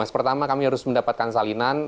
pertama kami harus mendapatkan salinan